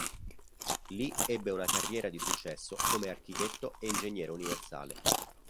Lì ebbe una carriera di successo come architetto e ingegnere universale.